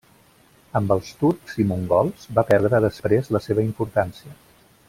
Amb els turcs i mongols va perdre després la seva importància.